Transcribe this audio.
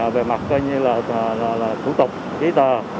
về mặt coi như là tủ tục ký tờ